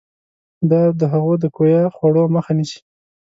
دا د هغو د کویه خوړو مخه نیسي.